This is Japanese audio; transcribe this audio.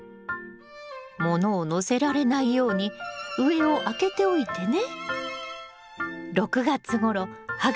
物を載せられないように上を開けておいてね。